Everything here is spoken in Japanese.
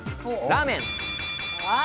ラーメン！